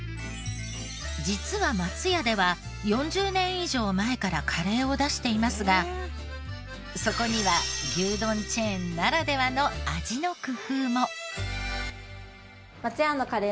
実は松屋では４０年以上前からカレーを出していますがそこには牛丼チェーンならではの味の工夫も。